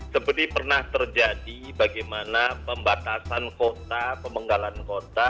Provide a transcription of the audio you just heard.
seperti pernah terjadi bagaimana pembatasan kota pemenggalan kota